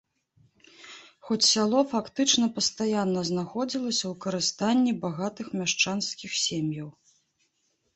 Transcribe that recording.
Хоць сяло фактычна пастаянна знаходзіліся ў карыстанні багатых мяшчанскіх сем'яў.